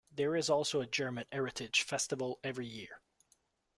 There is also a German Heritage Festival every year.